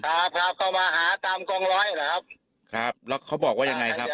ครับพาเข้ามาหาตามกองร้อยเหรอครับครับแล้วเขาบอกว่ายังไงครับ